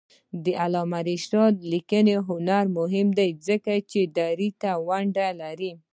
د علامه رشاد لیکنی هنر مهم دی ځکه چې دري ته ونډه لري.